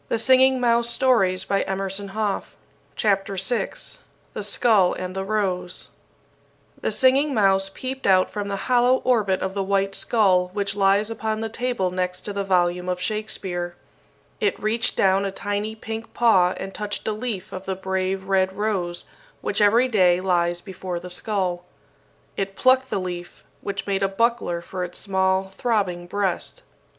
[Illustration: The Skull and the Rose] THE SKULL AND THE ROSE The Singing Mouse peeped out from the hollow orbit of the white skull which lies upon the table next to the volume of Shakespeare. It reached down a tiny pink paw and touched a leaf of the brave red rose which every day lies before the skull. It plucked the leaf, which made a buckler for its small throbbing breast.